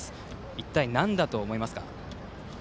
一体なんだと思いますか？